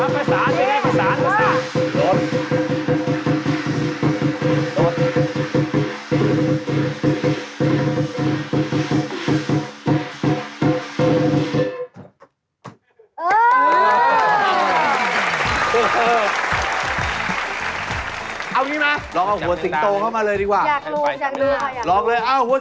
ไม่กำลังใจไม่ต้องมีฟิลล์ครับ